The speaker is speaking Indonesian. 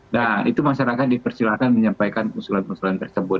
nah itu masyarakat dipersilahkan menyampaikan usulan usulan tersebut